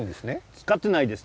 使ってないですね。